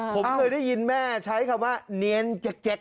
ผมเคยได้ยินแม่ใช้คำว่าเนียนแจ็ค